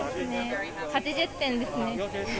８０点ですね。